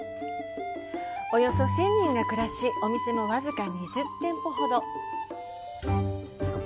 およそ１０００人が暮らし、お店も僅か２０店舗ほど。